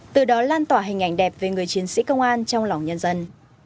từ đó lan tỏa hình ảnh đẹp về người chiến sĩ công an trong lòng nhân dân